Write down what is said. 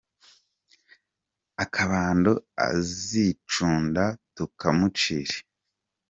Akabando azicunda tukamucire